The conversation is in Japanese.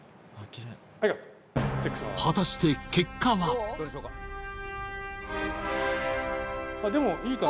果たして結果は？でもいい感じ。